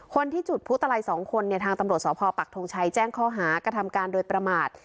คนที่จุดพุตลัยสองคนเนี่ยทางตำรวจสพปักทงชัยแจ้งข้อหากระทำการโดยประมาท